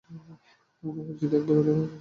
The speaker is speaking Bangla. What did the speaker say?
অপরিচিত এক ভদ্রলোক বসে আছেন।